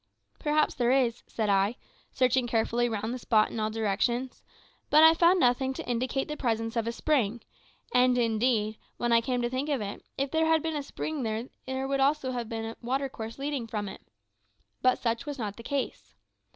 "Perhaps there is," said I, searching carefully round the spot in all directions; but I found nothing to indicate the presence of a spring and, indeed, when I came to think of it, if there had been a spring there would also certainly have been a water course leading from it. But such was not the case.